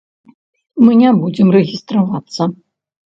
Мы не будзем рэгістравацца.